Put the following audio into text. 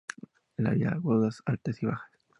Las había agudas, altas y bajas.